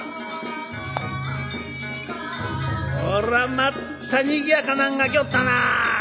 「ほらまたにぎやかなんが来よったなあ。